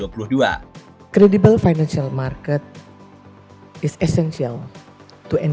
pemerintah finansial kredibel adalah penting